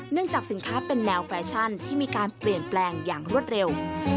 จากสินค้าเป็นแนวแฟชั่นที่มีการเปลี่ยนแปลงอย่างรวดเร็ว